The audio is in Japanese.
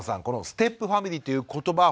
このステップファミリーという言葉